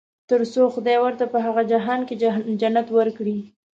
تر څو خدای ورته په هغه جهان کې جنت ورکړي.